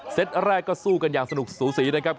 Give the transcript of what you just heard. แรกก็สู้กันอย่างสนุกสูสีนะครับ